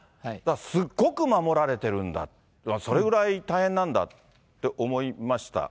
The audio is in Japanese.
すごく守られてるんだ、それぐらい大変なんだって思いましたよ。